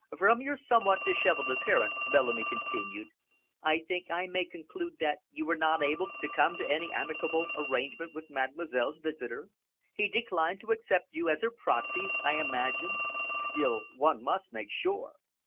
"From your somewhat dishevelled appearance," Bellamy continued, "I think I may conclude that you were not able to come to any amicable arrangement with Mademoiselle's visitor. He declined to accept you as her proxy, I imagine. Still, one must make sure."